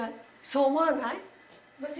そう思わない？